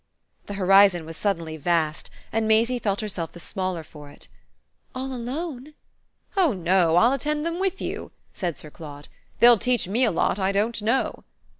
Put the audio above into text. The horizon was suddenly vast and Maisie felt herself the smaller for it. "All alone?" "Oh no; I'll attend them with you," said Sir Claude. "They'll teach me a lot I don't know."